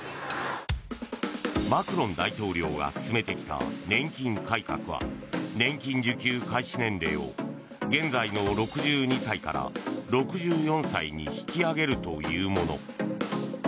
マクロン大統領が進めてきた年金改革は年金受給開始年齢を現在の６２歳から６４歳に引き上げるというもの。